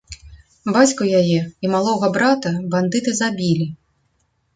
Бацьку яе і малога брата бандыты забілі.